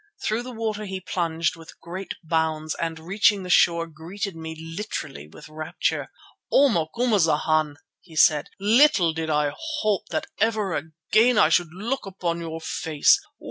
Through the water he plunged with great bounds and reaching the shore, greeted me literally with rapture. "O Macumazana," he said, "little did I hope that ever again I should look upon your face.